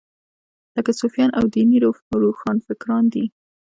لکه صوفیان او دیني روښانفکران دي.